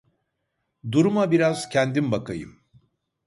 Duruma biraz kendim bakayım